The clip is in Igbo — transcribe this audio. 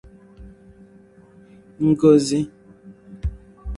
ngọzị